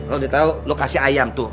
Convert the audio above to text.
kalau udah tau lo kasih ayam tuh